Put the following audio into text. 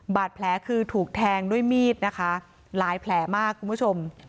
บาดแผลคือถูกแทงด้วยมีดนะคะหลายแผลมากคุณผู้ชม